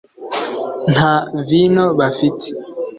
“Nta vino bafite